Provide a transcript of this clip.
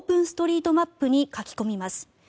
ストリートマップに書き込みます。